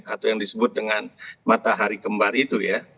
atau yang disebut dengan matahari kembar itu ya